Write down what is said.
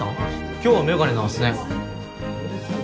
今日は眼鏡なんすね。